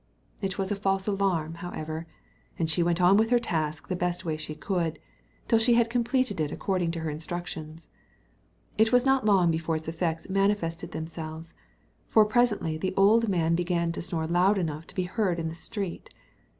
It was a false alarm, however, and she went on with her task the best way she could, till she had completed it according to her instructions. It was not long before its effects manifested themselves; for presently the old man began to snore loud enough to be heard in the street.